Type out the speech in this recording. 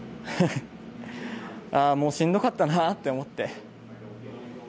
もうしんどかったなって思って。